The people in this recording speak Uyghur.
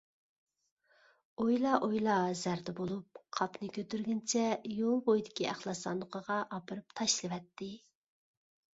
ئويلا-ئويلا زەردە بولۇپ، قاپنى كۆتۈرگىنىچە يول بويىدىكى ئەخلەت ساندۇقىغا ئاپىرىپ تاشلىۋەتتى.